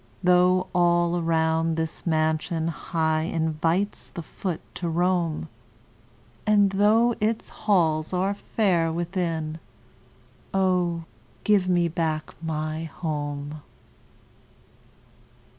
Though all around this mansion high Invites the foot to roam, And though its halls are fair within Oh, give me back my HOME!